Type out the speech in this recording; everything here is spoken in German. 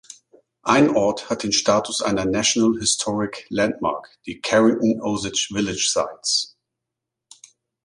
Ein Ort hat den Status einer National Historic Landmark, die Carrington Osage Village Sites.